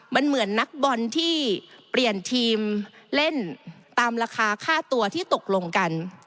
มันเหมือนนักบอลที่เปลี่ยนทีมเล่นตามราคาค่าตัวที่ตกลงกัน